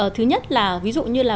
thứ nhất là ví dụ như là